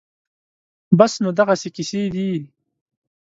بس نو دغسې قېصې دي